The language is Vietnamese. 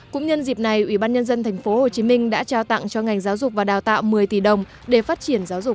cũng nhân dịp này ủy ban nhân dân tp hcm đã trao tặng cho ngành giáo dục và đào tạo một mươi tỷ đồng để phát triển giáo dục